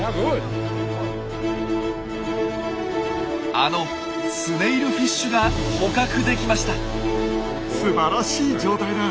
あのスネイルフィッシュが捕獲できました。